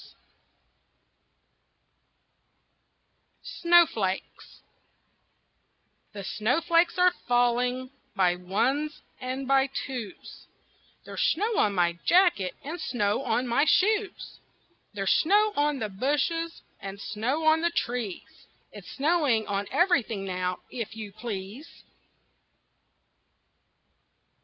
SNOWFLAKES The snowflakes are falling by ones and by twos; There's snow on my jacket, and snow on my shoes; There's snow on the bushes, and snow on the trees It's snowing on everything now, if you please.